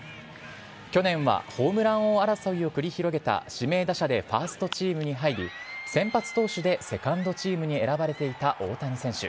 去年はホームラン王争いを繰り広げた指名打者でファーストチームに入り、先発投手でセカンドチームに選ばれていた大谷選手。